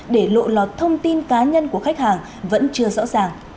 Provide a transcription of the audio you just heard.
để lộ lọt thông tin cá nhân của khách hàng vẫn chưa rõ ràng